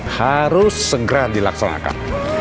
harus segera dilaksanakan